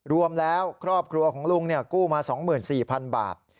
รวมแล้วครอบครัวของลุงกู้มา๒๔๐๐๐บาท